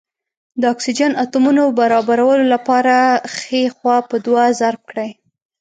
د اکسیجن اتومونو برابرولو لپاره ښۍ خوا په دوه ضرب کړئ.